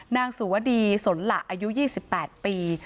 นางสุวดีสนหละอายุ๒๘ปี